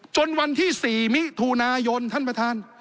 จนวันที่๔มิถุนายนท่านประธาน